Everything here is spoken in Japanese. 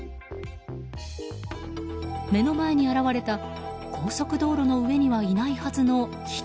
目の前に現れた高速道路の上にはいないはずの人。